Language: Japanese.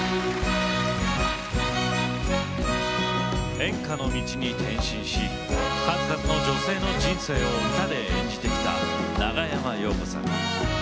演歌の道に転身し数々の女性の人生を歌で演じてきた長山洋子さん。